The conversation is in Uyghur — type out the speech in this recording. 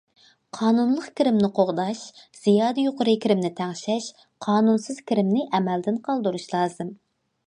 قانۇنلۇق كىرىمنى قوغداش، زىيادە يۇقىرى كىرىمنى تەڭشەش، قانۇنسىز كىرىمنى ئەمەلدىن قالدۇرۇش لازىم.